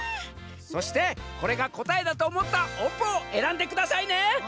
そしてこれがこたえだとおもったおんぷをえらんでくださいね。